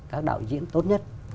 các đạo diễn tốt nhất